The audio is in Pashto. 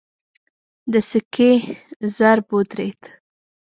د سکې ضرب ودرېد.